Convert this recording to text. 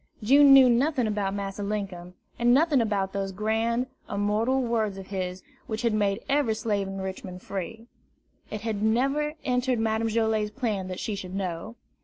June knew nothing about Massa Linkum, and nothing about those grand, immortal words of his which had made every slave in Richmond free; it had never entered Madame Joilet's plan that she should know.